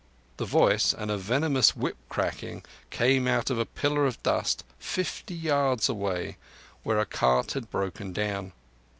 The voice and a venomous whip cracking came out of a pillar of dust fifty yards away, where a cart had broken down.